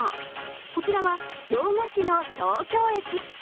こちらは洋菓子の東京駅。